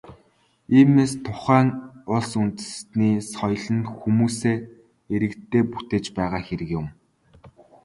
Иймээс, тухайн улс үндэстний соёл нь хүмүүсээ, иргэдээ бүтээж байгаа хэрэг юм.